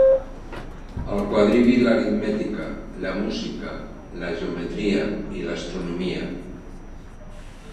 El quadrivi l'aritmètica, la música, la geometria i l'astronomia.